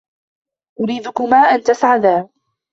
أريدكما أن تسعدا.